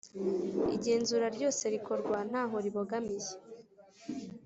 Igenzura ryose rikorwa ntaho ribogamiye